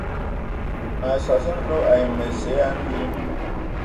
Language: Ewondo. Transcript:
A sas nlo ai məsɔ ya mbil.